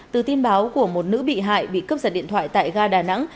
từ tin báo của một nữ bị hại bị cướp giật điện thoại tại ga đà nẵng